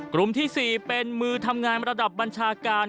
กลุ่มที่๔เป็นมือทำงานระดับบัญชาการ